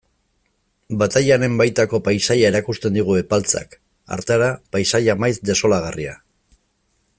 Batailaren baitako paisaia erakusten digu Epaltzak, hartara, paisaia maiz desolagarria.